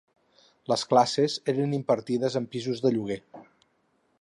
Les classes eren impartides en pisos de lloguer.